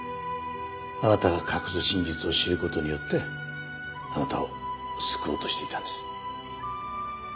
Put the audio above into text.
あなたが隠す真実を知る事によってあなたを救おうとしていたんです。